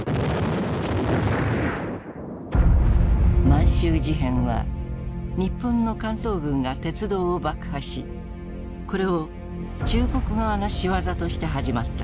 満州事変は日本の関東軍が鉄道を爆破しこれを中国側のしわざとして始まった。